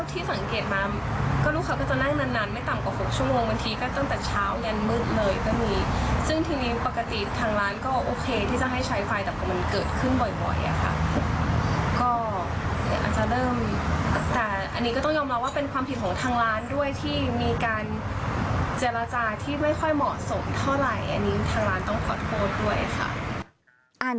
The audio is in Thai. เท่าไหร่อันนี้ทางร้านต้องขอโทษด้วยค่ะ